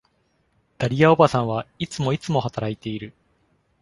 ダリア叔母さんは、いつもいつも働いている。